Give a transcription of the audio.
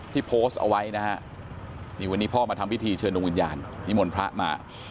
ที่โพสต์เอาไว้วันนี้พ่อมาทำวิธีเชิญลงวิญญาณนิมวลพระมา